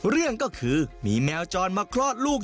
เรื่องก็คือมีแมวจรมาคลอดลูก